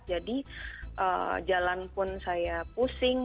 jadi jalan pun saya pusing